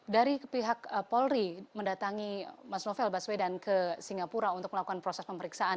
dari pihak polri mendatangi mas novel baswedan ke singapura untuk melakukan proses pemeriksaan